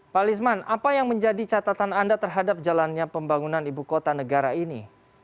pak lisman apa yang menjadi catatan anda terhadap jalannya pembangunan ibu kota negara ini